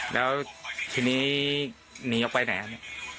แล้วที่นี้หนีออกไปไหน